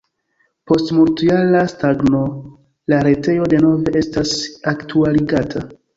Post multjara stagno la retejo denove estas aktualigata.